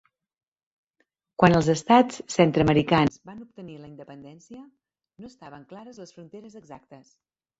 Quan els estats centreamericans van obtenir la independència, no estaven clares les fronteres exactes.